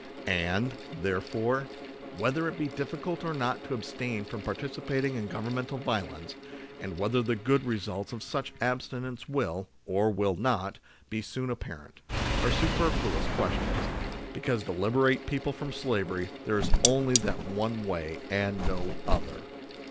And, therefore, whether it be difficult or not to abstain from participating in Governmental violence, and whether the good results of such abstinence will, or will not, be soon apparent, are superfluous questions ; because to liberate people from slavery there is only that one way, and no other